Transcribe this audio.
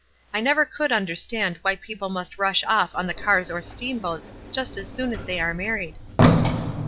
I never could under stand why people must rush off on the cars or steamboats just as soon as they are married.